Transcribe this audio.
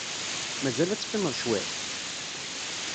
Mazal ad teqqimeḍ cwiṭ?